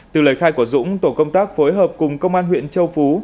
từ lời khai của dũng tổ công tác phối hợp cùng công an huyện châu phú